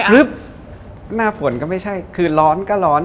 ลึกหน้าฝนก็ไม่ใช่คือร้อนก็ร้อน